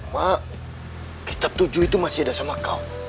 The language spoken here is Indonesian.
mak kitab tujuh itu masih ada sama kau